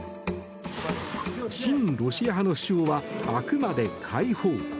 親ロシア派の主張はあくまで解放。